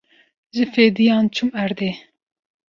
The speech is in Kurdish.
Ji fêdiyan çûm erdê.